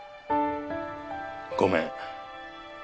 ごめん。